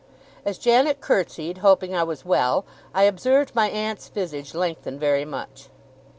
As Janet curtsied, hoping I was well, I observed my aunt's visage lengthen very much.